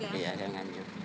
pak saya jual lagi ya